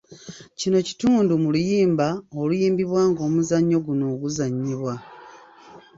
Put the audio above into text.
Kino kitundu mu luyimba oluyimbibwa ng'omuzannyo guno guzannyibwa.